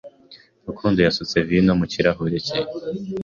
Rukundo yasutse vino mu kirahure cye.